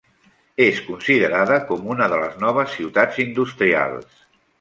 És considerada com una de les noves ciutats industrials.